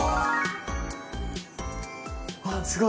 あっすごい！